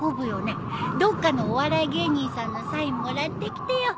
どっかのお笑い芸人さんのサインもらってきてよ。